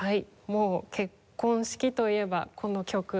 もう結婚式といえばこの曲。